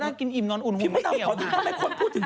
บ้างที่มูกชายเค้ามาเมาส์กันอะ